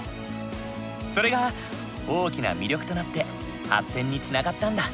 それが大きな魅力となって発展につながったんだ。